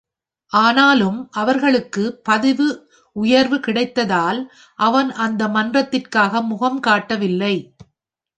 ஆனாலும், அவர்களுக்கு பதிவு உயர்வு கிடைத்ததால் அவன் அந்த மன்றத்திற்காக முகம் காட்டவில்லை.